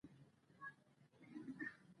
دا څوک و چې دې ته راغلی و او چا بللی و